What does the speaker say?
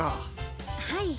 はい。